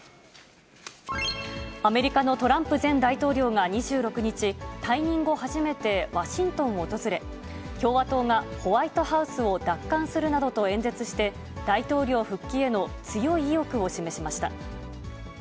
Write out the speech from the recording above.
アメリカのトランプ前大統領が２６日、退任後初めてワシントンを訪れ、共和党がホワイトハウスを奪還するなどと演説して、大統領復帰への強い意欲を示しました。